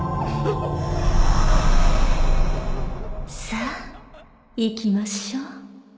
さあ行きましょう。